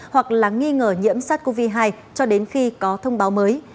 hoặc là nghi ngờ nhiễm sars cov hai cho đến khi có thông báo mới